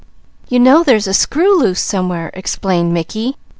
"You know there's a screw loose somewhere," explained Mickey.